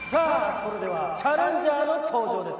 それではチャレンジャーの登場です。